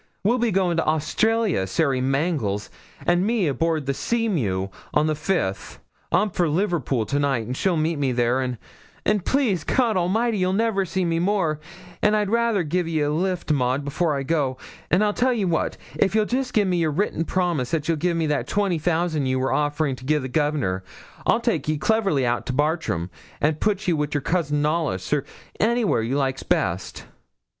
We'll be goin' t' Australia, Sary Mangles, an' me, aboard the Seamew, on the 5th. I'm for Liverpool to night, and she'll meet me there, an' an', please God Almighty, ye'll never see me more; an I'd rather gi'e ye a lift, Maud, before I go: an' I tell ye what, if ye'll just gi'e me your written promise ye'll gi'e me that twenty thousand ye were offering to gi'e the Governor, I'll take ye cleverly out o' Bartram, and put ye wi' your cousin Knollys, or anywhere ye like best.'